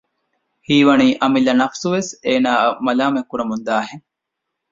ހީވަނީ އަމިއްލަ ނަފުސުވެސް އޭނައަށް މަލާމަތްކުރަމުންދާހެން